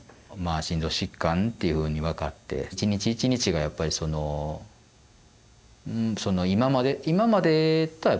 心臓疾患っていうふうに分かって一日一日がやっぱりその今までとは違いますよね。